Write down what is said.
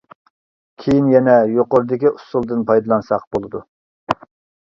كېيىن يەنە يۇقىرىدىكى ئۇسۇلدىن پايدىلانساق بولىدۇ.